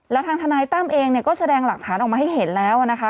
แล้วทางทนายตั้มเองเนี่ยก็แสดงหลักฐานออกมาให้เห็นแล้วนะคะ